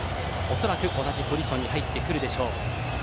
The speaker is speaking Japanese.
恐らく同じポジションに入ってくるでしょう。